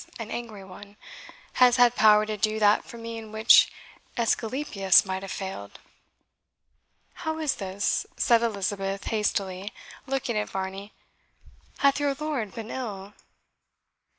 an angry one, has had power to do that for me in which Esculapius might have failed?" "How is this?" said Elizabeth hastily, looking at Varney; "hath your lord been ill?"